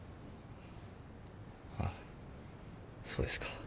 あぁそうですか。